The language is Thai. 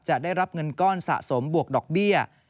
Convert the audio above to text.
จะได้รับเงินก้อนสะสมบวกดอกเบี้ย